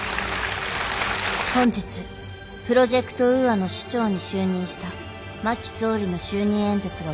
本日プロジェクト・ウーアの首長に就任した真木総理の就任演説が行われた。